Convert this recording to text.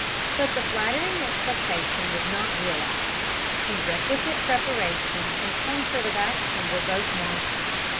But the flattering expectation was not realized. The requisite preparation and concert of action were both wanting.